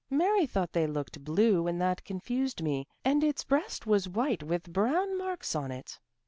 Mary thought they looked blue and that confused me. And its breast was white with brown marks on it."